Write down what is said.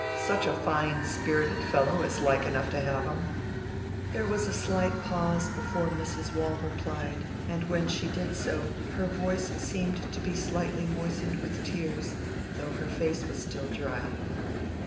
Such a fine, spirited fellow is like enough to have 'em." There was a slight pause before Mrs. Waule replied, and when she did so, her voice seemed to be slightly moistened with tears, though her face was still dry.